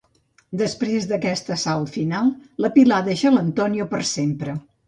Després d'aquest assalt final, la Pilar deixa l'Antonio per sempre.